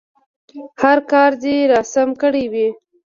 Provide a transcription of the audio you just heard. هر کار دې راسم کړی وي.